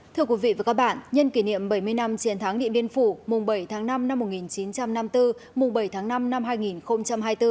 thưa quý vị và các bạn nhân kỷ niệm bảy mươi năm chiến thắng điện biên phủ mùng bảy tháng năm năm một nghìn chín trăm năm mươi bốn mùng bảy tháng năm năm hai nghìn hai mươi bốn